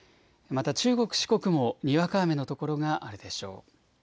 また中国、四国もにわか雨の所があるでしょう。